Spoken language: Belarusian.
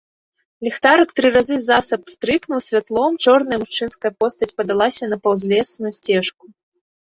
Ліхтарык тры разы засаб пстрыкнуў святлом, чорная мужчынская постаць падалася на паўзлесную сцежку.